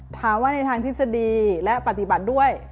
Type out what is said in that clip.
ถามว่าในทางทฤษฎีและปฏิบัติด้วย